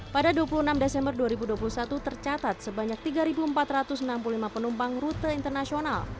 pada dua puluh enam desember dua ribu dua puluh satu tercatat sebanyak tiga empat ratus enam puluh lima penumpang rute internasional